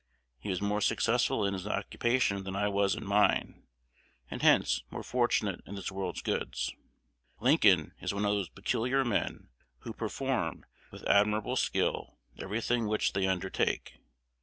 He was more successful in his occupation than I was in mine, and hence more fortunate in this world's goods. Lincoln is one of those peculiar men who perform with admirable skill every thing which they undertake.